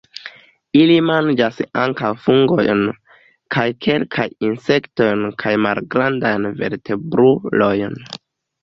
Ili manĝas ankaŭ fungojn, kaj kelkajn insektojn kaj malgrandajn vertebrulojn.